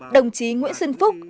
đồng chí nguyễn xuân phúc